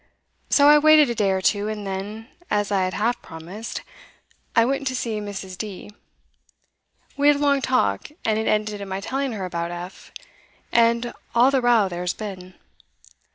So I waited a day or two, and then, as I had half promised, I went to see Mrs. D. We had a long talk, and it ended in my telling her about F., and all the row there's been.